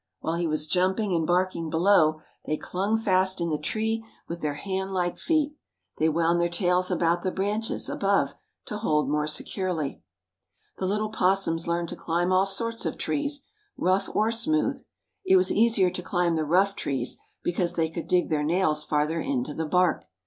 While he was jumping and barking below they clung fast in the tree with their hand like feet. They wound their tails about the branches above to hold more securely. The little opossums learned to climb all sorts of trees, rough or smooth. It was easier to climb the rough trees because they could dig their nails farther into the bark.